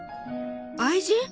愛人？